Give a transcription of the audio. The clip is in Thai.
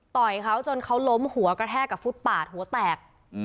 ต่อยเขาจนเขาล้มหัวกระแทกกับฟุตปาดหัวแตก